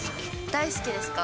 大好きですか？